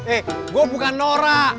eh gue bukan norak